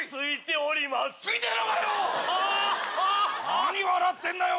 何笑ってんだよ！